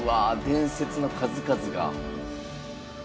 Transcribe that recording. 伝説の数々が。